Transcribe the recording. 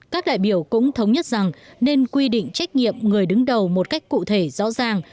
các đại biểu cũng thống nhất rằng nên quy định trách nhiệm người đứng đầu một cách cụ thể rõ ràng